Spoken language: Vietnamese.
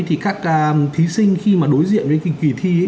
thì các thí sinh khi mà đối diện với cái kỳ thi